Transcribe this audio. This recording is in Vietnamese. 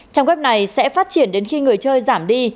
trang web này sẽ phát triển đến khi người chơi giảm đi